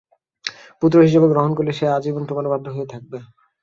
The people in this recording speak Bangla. পুত্র হিসেবে গ্রহণ করলে সে আজীবন তোমার বাধ্য হয়ে থাকবে।